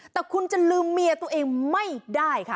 แต่คุณจะลืมเมียตัวเองไม่ได้ค่ะ